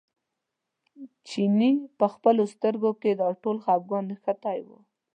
چیني په خپلو سترګو کې دا ټول خپګان نغښتی و.